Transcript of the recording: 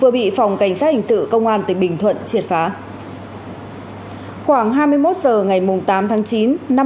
hãy đăng ký kênh để ủng hộ kênh của chúng mình nhé